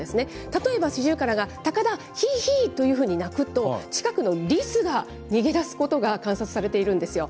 例えばシジュウカラがタカだ、ヒーヒーというふうに鳴くと、近くのリスが逃げ出すことが観察されてるんですよ。